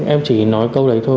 em chỉ nói câu đấy thôi